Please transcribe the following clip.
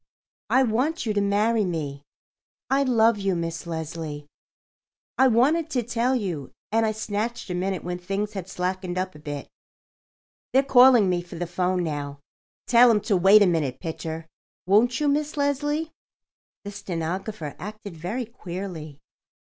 "I want you to marry me. I love you, Miss Leslie. I wanted to tell you, and I snatched a minute when things had slackened up a bit. They're calling me for the 'phone now. Tell 'em to wait a minute, Pitcher. Won't you, Miss Leslie?" The stenographer acted very queerly.